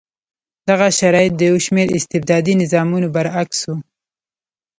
دغه شرایط د یو شمېر استبدادي نظامونو برعکس و.